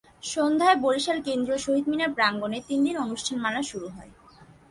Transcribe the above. সন্ধ্যায় বরিশাল কেন্দ্রীয় শহীদ মিনার প্রাঙ্গণে তিন দিনের অনুষ্ঠানমালা শুরু হয়।